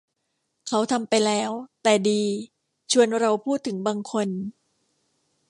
เขาทำไปแล้ว แต่ดี ชวนเราพูดถึงบางคน